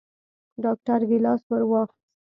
ډاکتر ګېلاس ورواخيست.